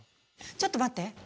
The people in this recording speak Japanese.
ちょっと待って！